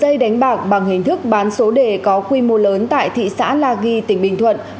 hãy đăng ký kênh để ủng hộ kênh của chúng mình nhé